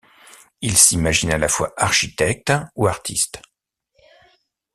Il s’imagine à la fois architecte ou artiste.